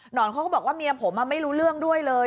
อนเขาก็บอกว่าเมียผมไม่รู้เรื่องด้วยเลย